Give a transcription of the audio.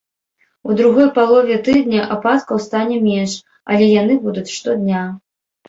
У другой палове тыдня ападкаў стане менш, але яны будуць штодня.